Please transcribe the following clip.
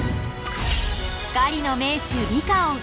狩りの名手リカオン。